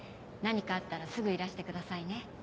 何かあったらすぐいらしてくださいね。